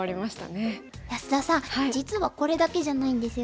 安田さん実はこれだけじゃないんですよね。